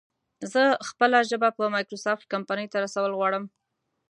زه خپله ژبه په مايکروسافټ کمپنۍ ته رسول غواړم